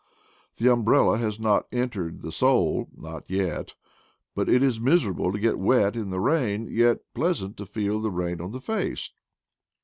The umbrella has not entered the soul — not yet; but it is miserable to get wet in the rain, yet pleasant to feel the rain on the face.